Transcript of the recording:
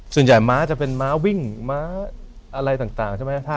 ม้าจะเป็นม้าวิ่งม้าอะไรต่างใช่ไหม